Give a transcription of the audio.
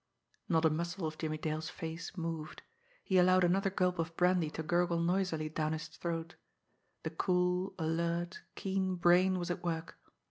_ Not a muscle of Jimmie Dale's face moved. He allowed another gulp of brandy to gurgle noisily down his throat. The cool, alert, keen brain was at work.